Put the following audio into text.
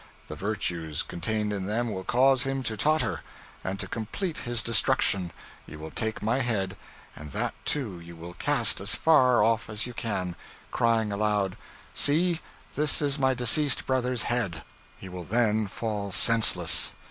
The virtues contained in them will cause him to totter; and, to complete his destruction, you will take my head, and that too you will cast as far off as you can, crying aloud, "See, this is my deceased brother's head." He will then fall senseless.